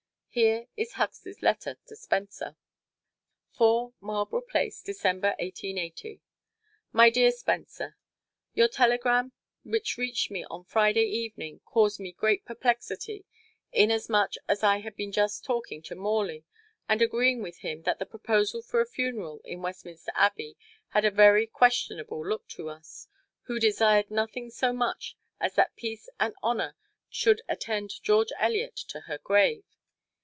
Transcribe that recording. Here is Huxley's letter to Spencer: 4 Marlborough Place, Dec. 27, 1880 My Dear Spencer: Your telegram which reached me on Friday evening caused me great perplexity, inasmuch as I had just been talking to Morley, and agreeing with him that the proposal for a funeral in Westminster Abbey had a very questionable look to us, who desired nothing so much as that peace and honor should attend George Eliot to her grave.